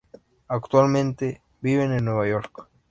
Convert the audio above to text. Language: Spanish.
Actualmente viven en Nueva York.